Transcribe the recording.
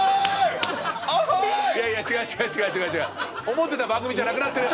思ってた番組じゃなくなってる。